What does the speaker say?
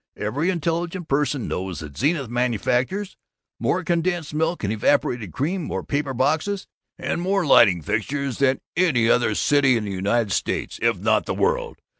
Every intelligent person knows that Zenith manufactures more condensed milk and evaporated cream, more paper boxes, and more lighting fixtures, than any other city in the United States, if not in the world.